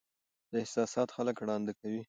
دا احساسات خلک ړانده کوي.